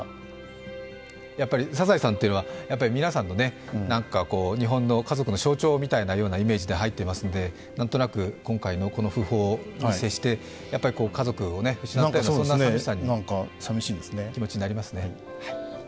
やっぱり「サザエさん」というのは皆さんの、日本の家族の象徴のようなイメージで入っていますので、なんとなく今回の訃報に接して、家族を失ったような気持ちになりますね。